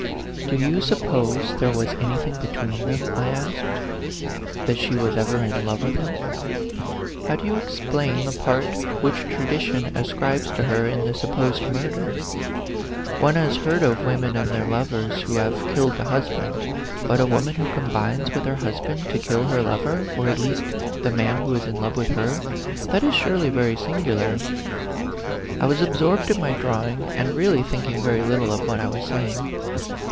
"Do you suppose there was anything be tween them ?" I asked " that she was ever in love with him ? How do you explain the part which tradition ascribes to her in the supposed murder ? One has heard of women and their lovers who have killed the hus band ; but a woman who combines with her husband to kill her lover, or at least the man who is in love with her that is surely very singular." I was absorbed in my drawing, and really thinking very little of what I was saying.